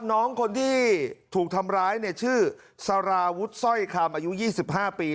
น้องคนที่ถูกทำร้ายเนี่ยชื่อซาราวุทซ่อยคำอายุยี่สิบห้าปี